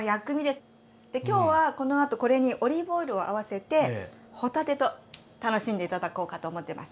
で今日はこのあとこれにオリーブオイルを合わせて帆立てと楽しんで頂こうかと思ってます